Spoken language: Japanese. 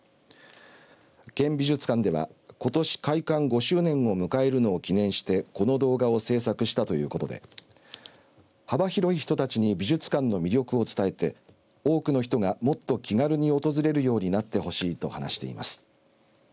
県美術館では、ことし開館５周年を迎えるのを記念してこの動画を制作したということで幅広い人たちに美術館の魅力を伝えて多くの人がもっと気軽に訪れるようになってほしいと話しています。